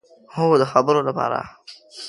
هو، د خبرو لپاره